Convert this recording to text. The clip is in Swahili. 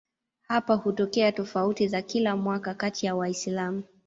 Hapa hutokea tofauti za kila mwaka kati ya Waislamu.